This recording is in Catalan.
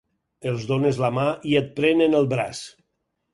Els dónes la mà i et prenen el braç.